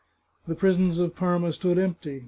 The prisons of Parma stood empty.